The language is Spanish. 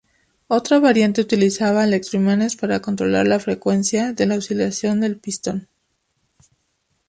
Otra variante utilizaba electroimanes para controlar la frecuencia de la oscilación del pistón.